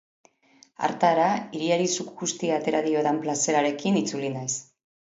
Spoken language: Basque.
Hartara, hiriari zuku guztia atera diodan plazerarekin itzuli naiz.